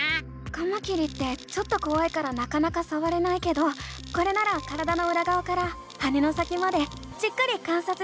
カマキリってちょっとこわいからなかなかさわれないけどこれなら体のうらがわから羽の先までじっくり観察できるね！